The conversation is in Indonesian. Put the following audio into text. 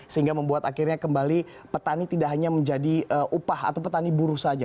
sehingga membuat akhirnya kembali petani tidak hanya menjadi upah atau petani buruh saja